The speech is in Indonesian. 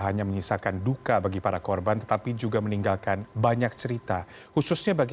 hanya menyisakan duka bagi para korban tetapi juga meninggalkan banyak cerita khususnya bagi